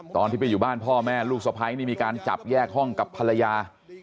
ตอนที่ไปอยู่บ้านพ่อแม่ลูกสะพ้ายนี่มีการจับแยกห้องกับภรรยา